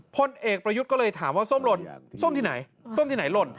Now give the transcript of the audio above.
พลเอกประยุทธ์ก็เลยถามว่าส้มหล่นส้มที่ไหนส้มที่ไหนหล่น